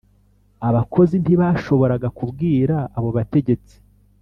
abakozi ntibashoboraga kubwira abo bategetsi